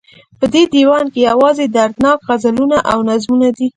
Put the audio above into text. په دې ديوان کې يوازې دردناک غزلونه او نظمونه دي